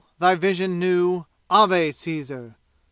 Thy vision new! Ave, Caesar!